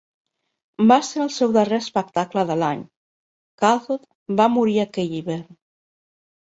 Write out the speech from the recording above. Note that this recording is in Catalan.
Va ser el seu darrer espectacle de l'any; Kahdot va morir aquell hivern.